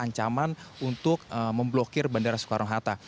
ancaman untuk memblokir bandara soekarno hatta